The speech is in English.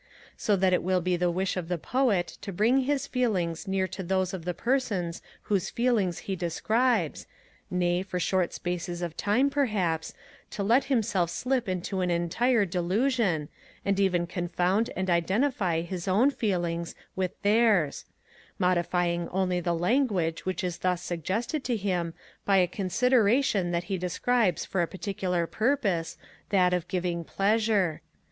So that it will be the wish of the Poet to bring his feelings near to those of the persons whose feelings he describes, nay, for short spaces of time, perhaps, to let himself slip into an entire delusion, and even confound and identify his own feelings with theirs; modifying only the language which is thus suggested to him by a consideration that he describes for a particular purpose, that of giving pleasure.